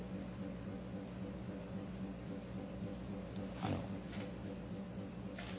あの。